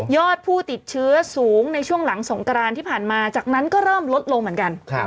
ผู้ติดเชื้อสูงในช่วงหลังสงกรานที่ผ่านมาจากนั้นก็เริ่มลดลงเหมือนกัน